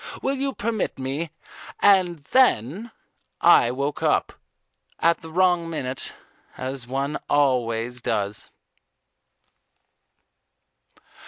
Will you permit me " And then I woke up at the wrong minute, as one always does.